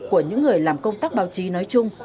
của những người làm công tác báo chí nói chung